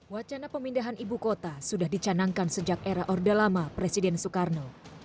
wacana pemindahan ibu kota sudah dicanangkan sejak era orde lama presiden soekarno